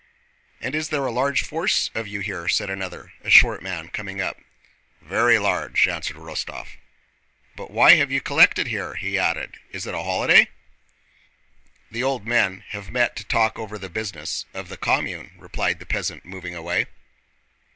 "And is there a large force of you here?" said another, a short man, coming up. "Very large," answered Rostóv. "But why have you collected here?" he added. "Is it a holiday?" "The old men have met to talk over the business of the commune," replied the peasant, moving away.